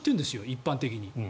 一般的に。